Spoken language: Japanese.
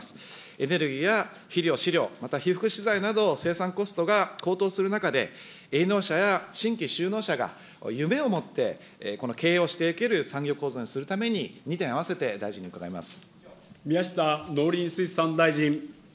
エネルギーや肥料、飼料、また被覆資材など、生産コストが高騰する中で、営農者や新規就農者が、夢を持ってをしていける産業構造にするために、２点合わせて大臣に伺います。